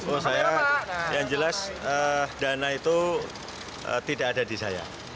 oh saya yang jelas dana itu tidak ada di saya